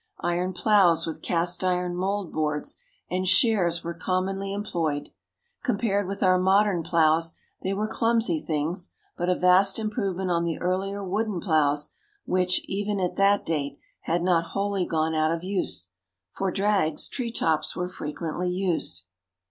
Iron ploughs with cast iron mould boards and shares were commonly employed. Compared with our modern ploughs, they were clumsy things, but a vast improvement on the earlier wooden ploughs which, even at that date, had not wholly gone out of use. For drags, tree tops were frequently used.